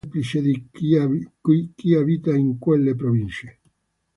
Essi narrano la vita semplice di chi abita in quelle province.